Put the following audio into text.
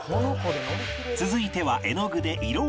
続いては絵の具で色を